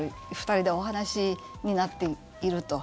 ２人でお話になっていると。